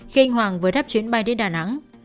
khi anh hoàng vừa thắp chuyến bay đến đà nẵng